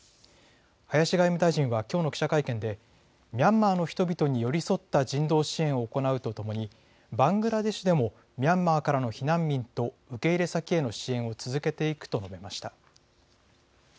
林外務大臣はきょうの記者会見でミャンマーの人々に寄り添った人道支援を行うとともにバングラデシュでもミャンマーからの避難民と受け入れ先への支援を続けていくと述べました。